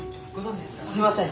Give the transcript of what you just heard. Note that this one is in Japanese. すいません！